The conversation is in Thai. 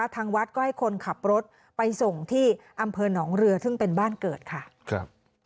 ทางวัดก็ให้คนขับรถไปส่งที่อำเภอหนองเรือซึ่งเป็นบ้านเกิดค่ะครับ